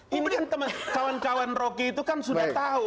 kemudian teman kawan kawan roki itu kan sudah tahu